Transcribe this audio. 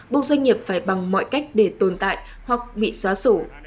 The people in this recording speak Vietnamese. buộc doanh nghiệp phải bằng mọi cách để tồn tại hoặc bị xóa sổ